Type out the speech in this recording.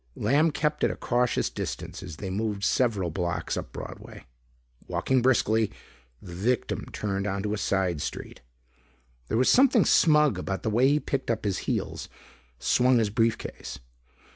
Lamb kept at a cautious distance as they moved several blocks up Broadway. Walking briskly, the victim turned into a side street. There was something smug about the way he picked up his heels, swung his briefcase.